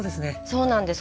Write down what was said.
そうなんです。